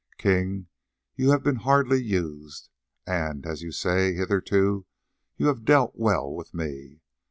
King, you have been hardly used, and, as you say, hitherto you have dealt well with me.